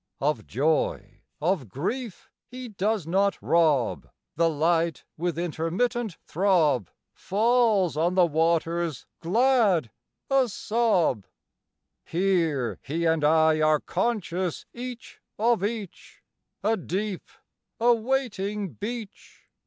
Of joy, of grief He does not rob, The light with intermittent throb Falls on the waters glad a sob. III. Here He and I are conscious each Of each a Deep, a waiting beach!